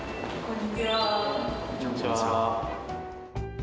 こんにちは。